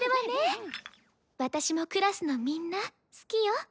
私もクラスのみんな好きよ。